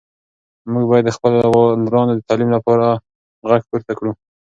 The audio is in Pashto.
موږ باید د خپلو لورانو د تعلیم لپاره غږ پورته کړو.